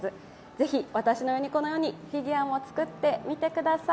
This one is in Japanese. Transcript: ぜひ、私のようにフィギュアも作ってみてください。